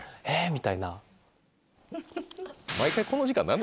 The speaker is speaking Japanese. みたいな。